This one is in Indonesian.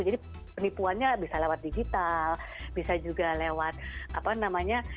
jadi penipuannya bisa lewat digital bisa juga lewat apa namanya